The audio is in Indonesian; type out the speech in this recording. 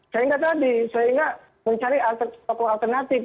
sehingga tadi sehingga mencari alternatif